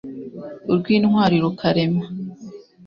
urw’ intwari rukarema;